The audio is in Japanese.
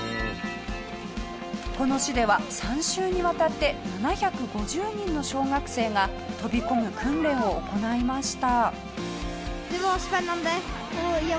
この市では３週にわたって７５０人の小学生が飛び込む訓練を行いました。